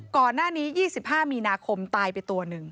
ก่อนหน้านี้๒๕มีนาคมตายไปตัวหนึ่ง